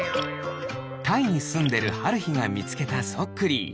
タイにすんでるはるひがみつけたそっクリー。